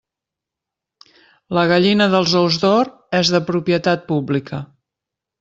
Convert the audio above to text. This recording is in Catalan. La gallina dels ous d'or és de propietat pública.